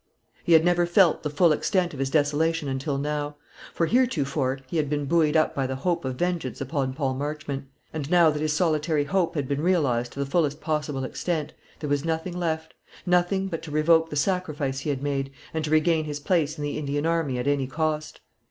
He had never felt the full extent of his desolation until now; for heretofore he had been buoyed up by the hope of vengeance upon Paul Marchmont; and now that his solitary hope had been realised to the fullest possible extent, there was nothing left, nothing but to revoke the sacrifice he had made, and to regain his place in the Indian army at any cost.